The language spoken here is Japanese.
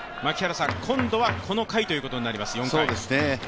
今度はこの回ということになります、４回。